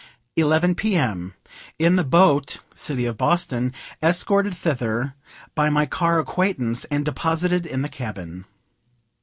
Eleven, P. M. In the boat "City of Boston," escorted thither by my car acquaintance, and deposited in the cabin.